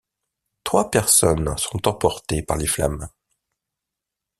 Trois personnes sont emportées par les flammes.